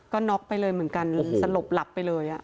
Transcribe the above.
ก็น็อกไปเลยเหมือนกันสลบหลับไปเลย